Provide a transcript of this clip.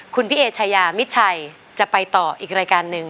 คุณพี่เอชายามิดชัยจะไปต่ออีกรายการหนึ่ง